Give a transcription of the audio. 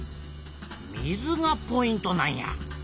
水がポイントなんや。